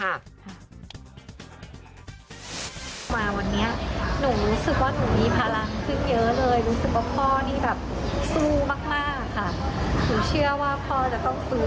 มาวันนี้หนูรู้สึกว่าหนูมีพลังขึ้นเยอะเลย